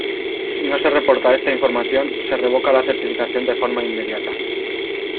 Si no se reporta esta información, se revoca la certificación de forma inmediata.